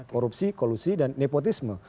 korupsi kolusi dan nepotisme